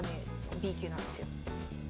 Ｂ級なんですよ。